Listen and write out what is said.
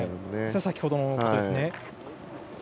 先ほどのことですね。